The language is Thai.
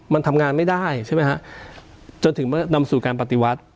มันทำงานไม่ได้ใช่ไหมฮะจนถึงเมื่อนำสู่การปฏิวัติ